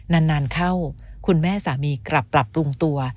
นานเข้าคุณแม่สามีกลับปรับปรุงตัว